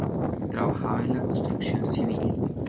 Trabajaba en la construcción civil.